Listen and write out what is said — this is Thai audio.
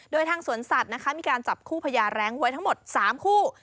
โดยทางสวนสัตว์นะคะมีการจับคู่พญาแร้งไว้ทั้งหมด๓คู่